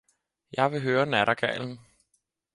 Jeg vil høre nattergalen!